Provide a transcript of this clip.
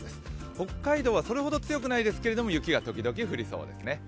北海道はそれほど強くないですけど雪が時々降りそうです。